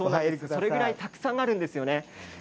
そのくらいたくさんあるんですよね。